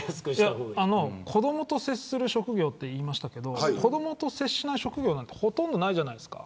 子どもと接する職業と言っていましたけど子どもと接しない職業ってほとんどないじゃないですか。